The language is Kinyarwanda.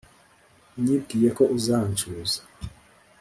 nibwiye ko uzancuza